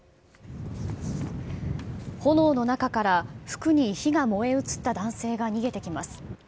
炎の中から服に火が燃え移った男性が逃げてきます。